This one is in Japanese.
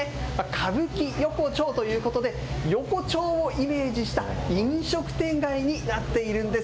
歌舞伎横丁ということで横丁をイメージした飲食店街になっているんです。